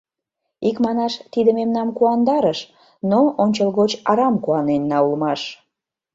Икманаш, тиде мемнам куандарыш, но ончылгоч арам куаненна улмаш.